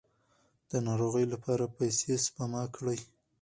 د ناروغۍ لپاره پیسې سپما کړئ.